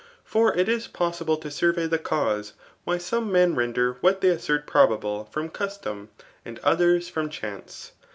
£0r it if possible to survey the cause why some men jfuder what they assert probable, from custom, and ctfiers from chance.